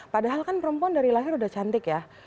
padahal kan perempuan dari lahir udah cantik ya